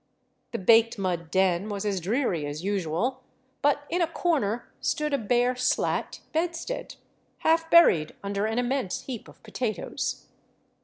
The baked mud den was as dreary ais usual, but in a corner stood a bare slat bedstead, half buried under an im mense heap of potatoes.